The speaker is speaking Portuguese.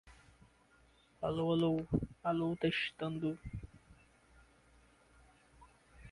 hidretos, diodos, semicondutores, hidretos, polimerização, organotitânio, tetraetilchumbo, enolatos, covalente